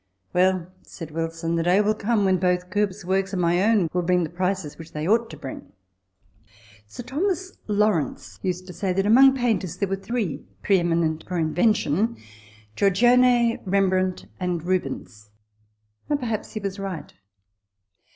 "Well," said Wilson, "the day will come when both Cuyp's works and my own will bring the prices which they ought to bring." Sir Thomas Lawrence used to say, that among painters there were three pre eminent for invention Giorgione, Rembrandt, and Rubens ; and perhaps he was right.